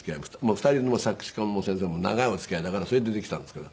２人とも作詞家の先生も長いお付き合いだからそれでできたんですけど。